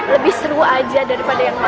lebih seru aja daripada lainnya